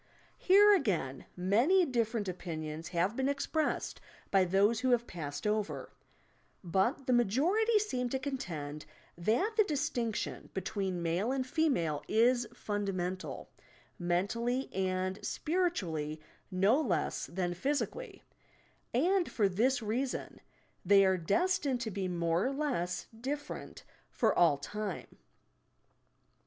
Here, again, many different opinions have been expressed by those who have passed over, but the majority seem to contend that the distinc tion between male and female is fundamental, — men tally and spiritually no less than physically, and for this reason they are destined to be more or less different for all time.